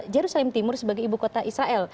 jerusalem timur sebagai ibu kota israel